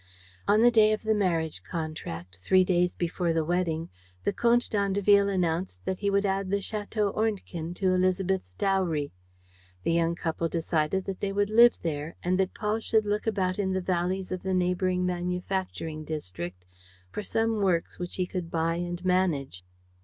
On the day of the marriage contract, three days before the wedding, the Comte d'Andeville announced that he would add the Château d'Ornequin to Élisabeth's dowry. The young couple decided that they would live there and that Paul should look about in the valleys of the neighboring manufacturing district for some works which he could buy and manage.